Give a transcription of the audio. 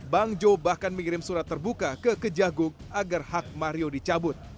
bang jo bahkan mengirim surat terbuka ke kejagung agar hak mario dicabut